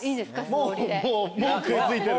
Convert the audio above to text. もう食い付いてる。